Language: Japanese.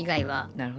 なるほど。